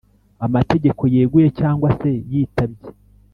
amategeko yeguye cyangwa se yitabye